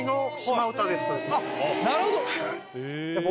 なるほど！